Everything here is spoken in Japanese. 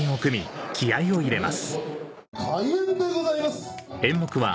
開演でございます。